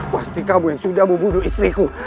pasti kamu yang sudah membunuh istriku